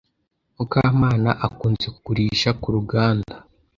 Mukamana akunze kugurisha ku ruganda